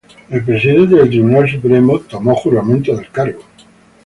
El Presidente del Tribunal Supremo Earl Warren administró el juramento del cargo.